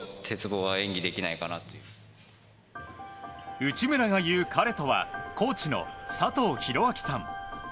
内村が言う彼とはコーチの佐藤寛朗さん。